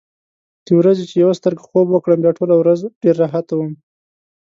د ورځې چې یوه سترګه خوب وکړم، بیا ټوله ورځ ډېر راحت وم.